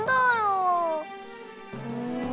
うん。